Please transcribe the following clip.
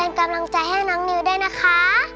เป็นกำลังใจให้น้องนิวด้วยนะคะ